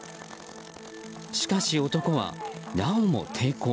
しかし男は、なおも抵抗。